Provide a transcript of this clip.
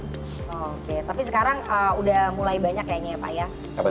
oke tapi sekarang udah mulai banyak kayaknya ya pak ya